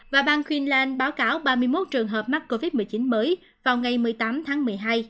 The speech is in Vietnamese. và bàn queensland báo cáo ba mươi một trường hợp mắc covid một mươi chín mới vào ngày một mươi tám tháng một mươi hai